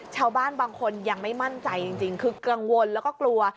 ชาวบ้านบางคนยังไม่มั่นใจจริงคือกังวลแล้วก็กลัว